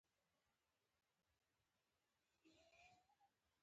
د سردار شاه محمود خان حکومت د نړۍ له هېوادونو سره اړیکې ټینګې کړې.